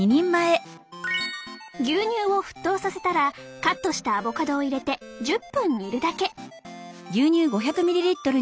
牛乳を沸騰させたらカットしたアボカドを入れて１０分煮るだけ。